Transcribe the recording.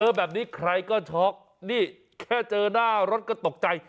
แบบนี้ใครก็ช็อกนี่แค่เจอหน้ารถก็ตกใจ